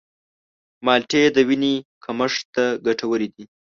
مالټې د وینې کمښت ته ګټورې دي.